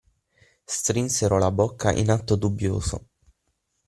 Strinsero la bocca in atto dubbioso.